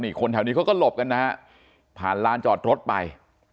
คนแถวนี้เขาก็หลบกันนะฮะผ่านลานจอดรถไป